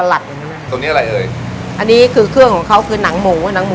อันนี้คือเครื่องของเขาขึ้นหนังหมูนะ